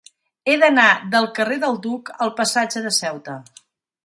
He d'anar del carrer del Duc al passatge de Ceuta.